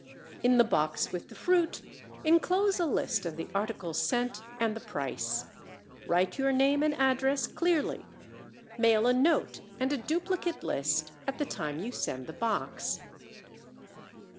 In the box with the fruit inclose a list of the articles sent and the price. Write your name and address clearly. Mail a note and a duplicate list at the time you send the box.